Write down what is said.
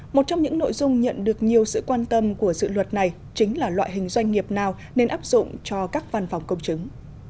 một trong những nội dung nhận được nhiều sự quan tâm của dự luật này chính là loại hình doanh nghiệp nào nên áp dụng cho các văn phòng công chứng